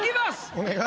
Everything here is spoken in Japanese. お願い。